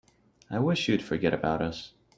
I wish you'd forget about us.